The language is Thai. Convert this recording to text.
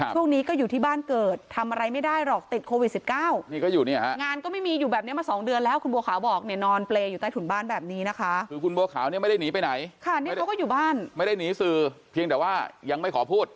ช่วงนี้ก็อยู่ที่บ้านเกิดทำอะไรไม่ได้หรอกติดโควิด๑๙นี่ก็อยู่เนี่ยฮะงานก็ไม่มีอยู่แบบนี้มาสองเดือนแล้วคุณบัวขาวบอกเนี่ยนอนเปรย์อยู่ใต้ถุนบ้านแบบนี้นะคะคือคุณบัวขาวเนี่ยไม่ได้หนีไปไหนค่ะนี่เขาก็อยู่บ้านไม่ได้หนีสื่อเพียงแต่ว่ายังไม่ขอพูด